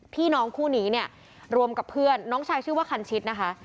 พี่น้องคู่นี้เนี่ยรวมกับเพื่อนน้องชายชื่อว่าคันชิดนะคะ